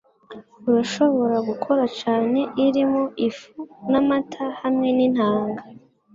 Urashobora gukora cake irimo ifu n'amata hamwe nintanga.